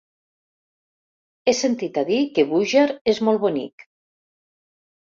He sentit a dir que Búger és molt bonic.